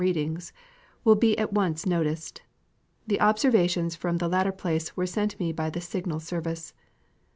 readings) will be at once noticed. The observations from the latter place were sent me by the Signal Service.